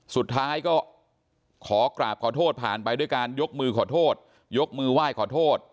สุดท้ายก็ขอกราบขอโทษผ่านไปด้วยการยกมือขอโทษยกมือไหว้ขอโทษ